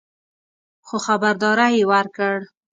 خو خبرداری یې ورکړ